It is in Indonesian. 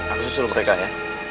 aku susul mereka ya